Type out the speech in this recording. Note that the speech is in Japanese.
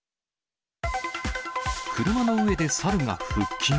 車の上でサルが腹筋？